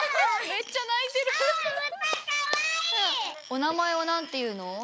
おなまえはなんていうの？